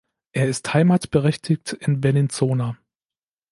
Er ist heimatberechtigt in Bellinzona.